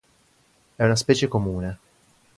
È una specie comune.